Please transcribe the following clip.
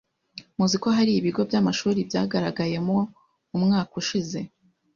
muzi ko hari ibigo by’amashuri byagaragayemo mu mwaka ushize,